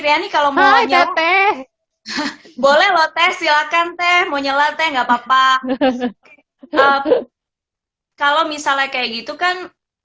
riany kalau mau nyelam boleh loh teh silakan teh mau nyelam teh enggak papa kalau misalnya kayak gitu kan